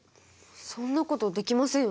そんなことできませんよね？